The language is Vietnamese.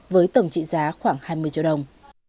với tổng trị giá khoảng hai mươi triệu đồng